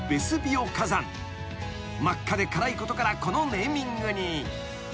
［真っ赤で辛いことからこのネーミングに］